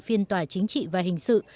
phiên tòa chính trị và hình sự